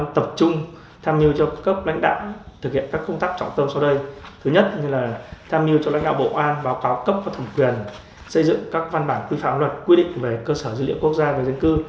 thứ ba là tham nhu cho lãnh đạo bộ an báo cáo cấp và thẩm quyền xây dựng các văn bản quy phạm luật quy định về cơ sở dữ liệu quốc gia dân cư